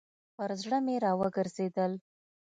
پر زړه مي راوګرځېدل .